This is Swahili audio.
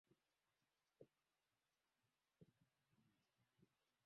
Kijana yule amefika vyema.